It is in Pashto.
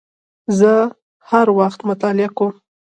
زه هر وخت مطالعه کوم